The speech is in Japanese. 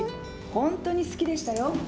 ホントに好きでしたよ。